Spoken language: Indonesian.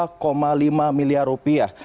sekitar dua lima miliar rupiah